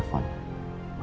jadi dia gak ngejepat